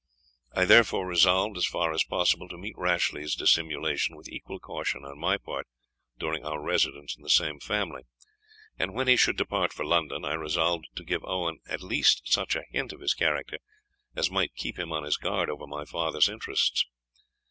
I therefore resolved, as far as possible, to meet Rashleigh's dissimulation with equal caution on my part during our residence in the same family; and when he should depart for London, I resolved to give Owen at least such a hint of his character as might keep him on his guard over my father's interests.